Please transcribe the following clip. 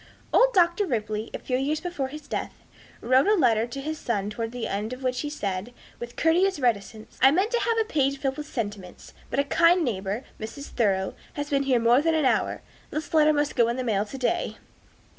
Old Dr. Ripley, a few years before his death, wrote a letter to his son, towards the end of which he said, with courteous reticence, "I meant to have filled a page with sentiments. But a kind neighbor, Mrs. Thoreau, has been here more than an hour. This letter must go in the mail to day."